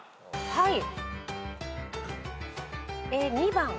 はい。